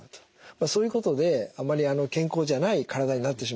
まあそういうことであまり健康じゃない体になってしまうんですね。